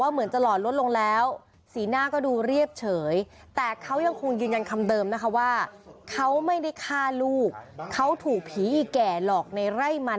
เหมือนจะหลอดลดลงแล้วสีหน้าก็ดูเรียบเฉยแต่เขายังคงยืนยันคำเดิมนะคะว่าเขาไม่ได้ฆ่าลูกเขาถูกผีอีแก่หลอกในไร่มัน